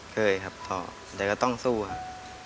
เคยครับท้อแต่ก็ต้องสู้ครับ